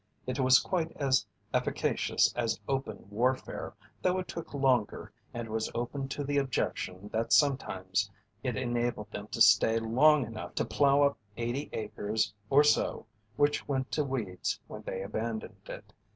It was quite as efficacious as open warfare, though it took longer and was open to the objection that sometimes it enabled them to stay long enough to plow up eighty acres or so which went to weeds when they abandoned it.